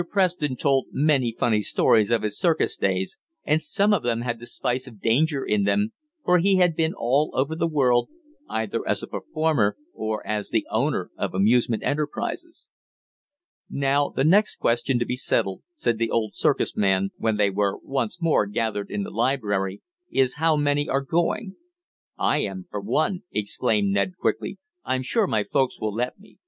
Preston told many funny stories of his circus days, and some of them had the spice of danger in them, for he had been all over the world, either as a performer or as the owner of amusement enterprises. "Now, the next question to be settled," said the old circus man, when they were once more gathered in the library, "is how many are going?" "I am, for one!" exclaimed Ned quickly. "I'm sure my folks will let me.